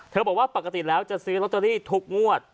บอกว่าปกติแล้วจะซื้อลอตเตอรี่ทุกงวด